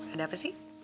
ada apa sih